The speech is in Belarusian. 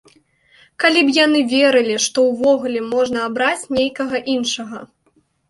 Калі б яны верылі, што ўвогуле можна абраць некага іншага.